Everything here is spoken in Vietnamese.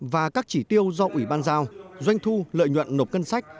và các chỉ tiêu do ủy ban giao doanh thu lợi nhuận nộp cân sách